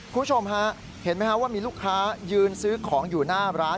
คุณผู้ชมฮะเห็นไหมครับว่ามีลูกค้ายืนซื้อของอยู่หน้าร้าน